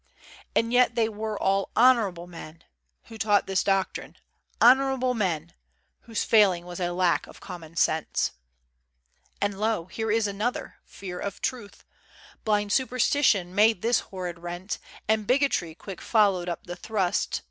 And yet they were all "honorable men" Who taught this doctrine "honorable men!" Whose failing was a lack of common sense. And, lo! here is another Fear of Truth Blind Superstition made this horrid rent, And Bigotry quick followed up the thrust.